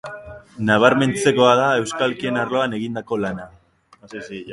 Nabarmentzekoa da euskalkien arloan egindako lana.